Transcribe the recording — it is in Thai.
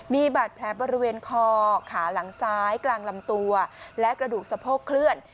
มีบาดแผลบริเวณคอขาหลังซ้ายกลางลำตัวและกระดูกสะโพกเคลื่อน